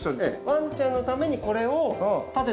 ワンちゃんのためにこれを建てたんですよ。